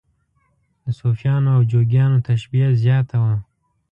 د صوفیانو او جوګیانو تشبیه زیاته وه.